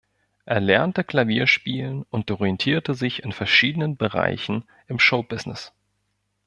Er lernte Klavierspielen und orientierte sich in verschiedenen Bereichen im Showbusiness.